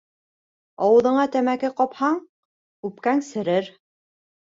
Ауыҙыңа тәмәке ҡапһаң, үпкәң серер